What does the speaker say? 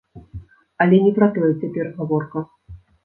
Але не пра тое цяпер гаворка.